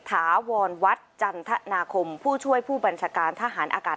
ถาวรวัดจันทนาคมผู้ช่วยผู้บัญชาการทหารอากาศ